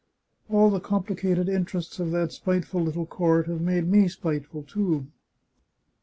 " All the complicated interests of that spiteful little court have made me spiteful, too.